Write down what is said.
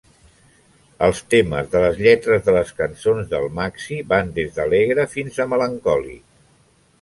Els temes de les lletres de les cançons del Maxi van des d'alegre fins a melancòlic.